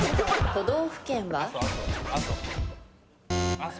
都道府県は？